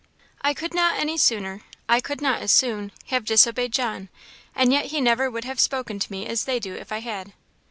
"I could not any sooner I could not as soon have disobeyed John; and yet he never would have spoken to me as they do if I had."